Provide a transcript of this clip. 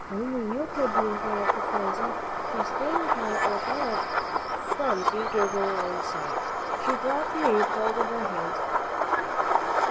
If you only could do that, Phronsie, just think how it would help." Phronsie gave a long sigh. She dropped the apron, and folded her hands.